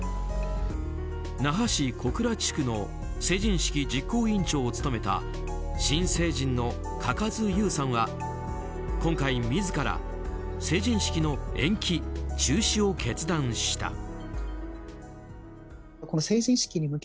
那覇市古蔵地区の成人式実行委員長を務めた新成人の嘉数友さんは今回、自ら成人式の延期・中止を決断した。